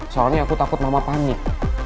soalnya aku takut mama panik